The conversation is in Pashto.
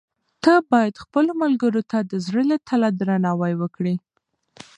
ته باید خپلو ملګرو ته د زړه له تله درناوی وکړې.